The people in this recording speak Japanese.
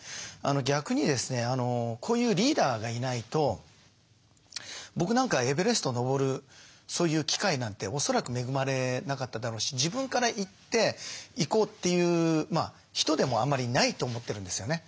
逆にですねこういうリーダーがいないと僕なんかはエベレスト登るそういう機会なんて恐らく恵まれなかっただろうし自分からいって行こうという人でもあまりないと思ってるんですよね。